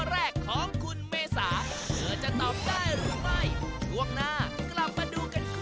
ราคาโทษที่สุด